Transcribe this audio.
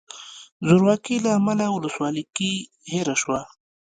زورواکۍ له امله ولسواکي هیره شوه.